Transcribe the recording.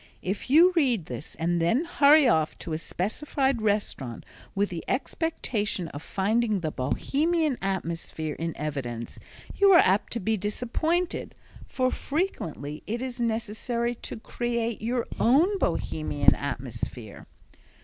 If you read this and then hurry off to a specified restaurant with the expectation of finding the Bohemian atmosphere in evidence you are apt to be disappointed, for frequently it is necessary to create your own Bohemian atmosphere.